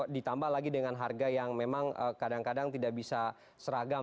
ditambah lagi dengan harga yang memang kadang kadang tidak bisa seragam